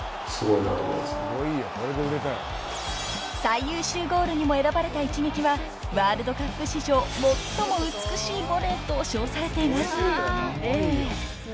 ［最優秀ゴールにも選ばれた一撃はワールドカップ史上最も美しいボレーと称されています］